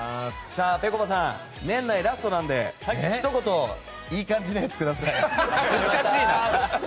ぺこぱさん、年内ラストなのでひと言いい感じのやつください。